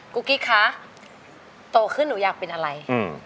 ุ๊กกิ๊กคะโตขึ้นหนูอยากเป็นอะไร